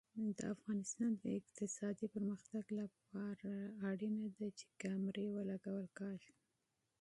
د افغانستان د اقتصادي پرمختګ لپاره پکار ده چې کامرې نصب شي.